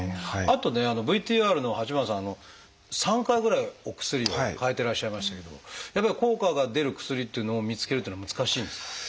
あとねＶＴＲの八幡さん３回ぐらいお薬を替えてらっしゃいましたけどやっぱり効果が出る薬っていうのを見つけるっていうのは難しいんですか？